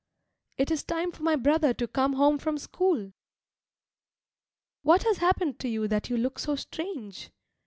It is time for my brother to come home from school. What has happened to you that you look so strange?